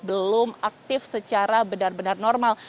belum aktif secara benar benar normal